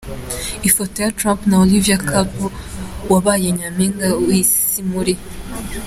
Ifoto ya Trump na Olivia Culpo wabaye nyampinga w’ Isi muri .